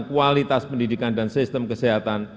kualitas pendidikan dan sistem kesehatan